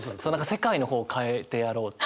世界の方を変えてやろうって。